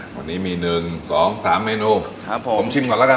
วันนี้มีหนึ่งสองสามเมนูครับผมผมชิมก่อนแล้วกัน